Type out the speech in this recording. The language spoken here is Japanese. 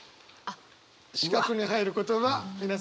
四角に入る言葉皆さんで考えて。